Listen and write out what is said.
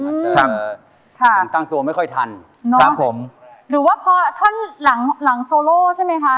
มันเจอครับค่ะยังตั้งตัวไม่ค่อยทันครับผมหรือว่าพอท่อนหลังหลังโซโล่ใช่ไหมคะ